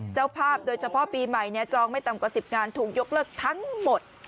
เจ้าภาพโดยเฉพาะปีใหม่จองไม่ต่ำกว่า๑๐งานถูกยกเลิกทั้งหมด